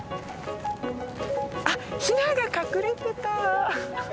あヒナが隠れてた！